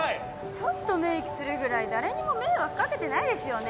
ちょっとメイクするぐらい誰にも迷惑かけてないですよね？